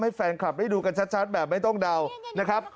แฟนคลับได้ดูกันชัดแบบไม่ต้องเดานะครับ